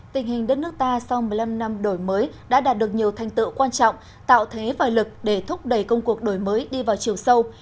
tình hình đất nước ta sau một mươi năm năm đổi mới đã đạt được nhiều thành tựu quan trọng tạo thế và lực để thúc đẩy công cuộc đổi mới đi vào chiều sâu